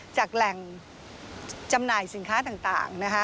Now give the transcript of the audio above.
จากแหล่งจำหน่ายสินค้าต่างนะคะ